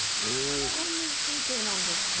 それも顔面神経なんですか！